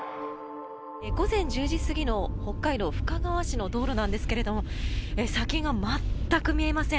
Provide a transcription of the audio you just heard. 午前１０時過ぎの北海道深川市の道路なんですが先が全く見えません。